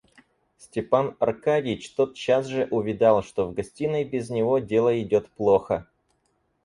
Степан Аркадьич тотчас же увидал, что в гостиной без него дело идет плохо.